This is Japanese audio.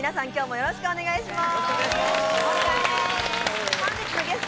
よろしくお願いします。